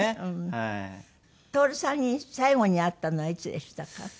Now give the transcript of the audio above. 徹さんに最後に会ったのはいつでしたか？